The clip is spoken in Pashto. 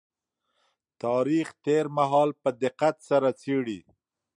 تاريخ تېر مهال په دقت سره څېړي.